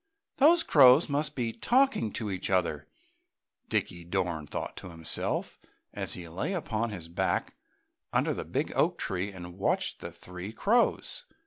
"Those crows must be talking to each other!" Dickie Dorn thought to himself, as he lay upon his back under the big oak tree and watched the three crows.